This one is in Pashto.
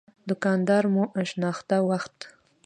دوکان دار مو شناخته وخت.